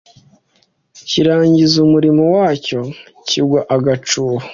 kirangiza umurimo wacyo kigwa agacuho